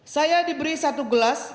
saya diberi satu gelas